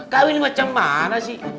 kau ini macam mana sih